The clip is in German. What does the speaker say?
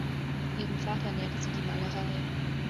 Von ihrem Vater erlernte sie die Malerei.